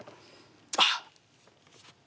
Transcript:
あっ。